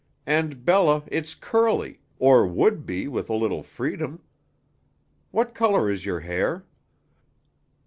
And, Bella, it's curly, or would be with a little freedom. What color is your hair?"